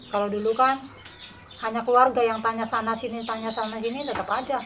kalau dulu kan hanya keluarga yang tanya sana sini tanya sana sini tetap aja